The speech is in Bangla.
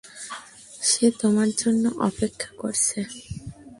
সে তোমার জন্য অপেক্ষা করছে।